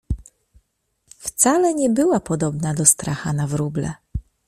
Wcale nie była podobna do stracha na wróble.